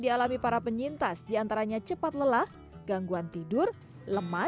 dialami para penyintas diantaranya cepat lelah gangguan tidur lemas jantung dan terlalu gila kecil